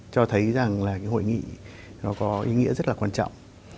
cho thấy rằng là cái hội nghị nó có ý nghĩa rất là quan trọng